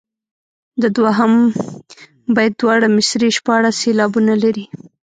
د دوهم بیت دواړه مصرعې شپاړس سېلابونه لري.